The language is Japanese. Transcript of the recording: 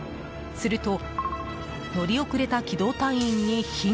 すると乗り遅れた機動隊員に火が！